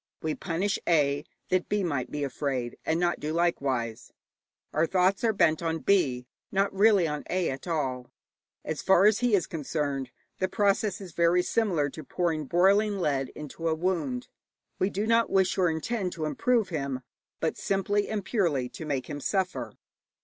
We punish A. that B. may be afraid, and not do likewise. Our thoughts are bent on B., not really on A. at all. As far as he is concerned, the process is very similar to pouring boiling lead into a wound. We do not wish or intend to improve him, but simply and purely to make him suffer.